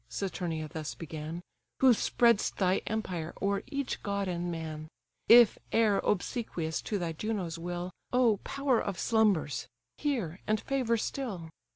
(Saturnia thus began) Who spread'st thy empire o'er each god and man; If e'er obsequious to thy Juno's will, O power of slumbers! hear, and favour still.